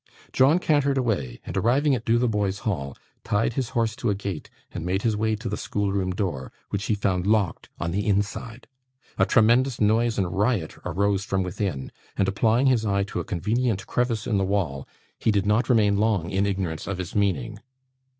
John cantered away, and arriving at Dotheboys Hall, tied his horse to a gate and made his way to the schoolroom door, which he found locked on the inside. A tremendous noise and riot arose from within, and, applying his eye to a convenient crevice in the wall, he did not remain long in ignorance of its meaning.